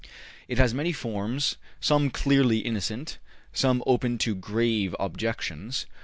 It has many forms, some clearly innocent, some open to grave objections.